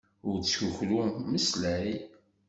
Ur ttkukru. Mmeslay.